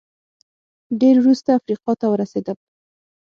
ډېر وروسته افریقا ته ورسېدل